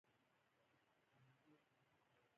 که مې دوستي څرګنده کړې وای کافر به یې بللم.